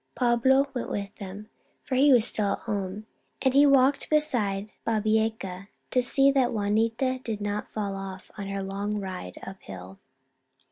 Pablo went with them, for he was still at home, and he walked beside Babieca to see that Juanita did not fall off, on her long ride up hill.